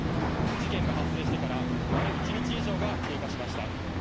事件が発生してから丸一日以上が経過しました。